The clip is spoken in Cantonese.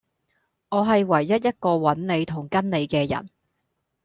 我係唯一一個搵你同跟你既人